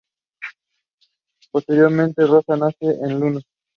Posteriormente Rosa nace en Lanús.